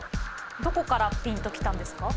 どこからピンと来たんですか？